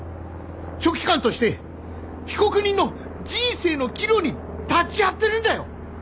書記官として被告人の人生の岐路に立ち会ってるんだよ。